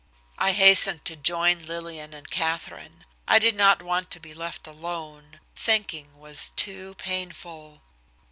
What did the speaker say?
I hastened to join Lillian and Katherine. I did not want to be left alone. Thinking was too painful.